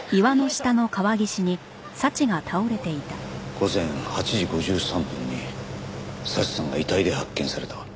午前８時５３分に早智さんが遺体で発見された。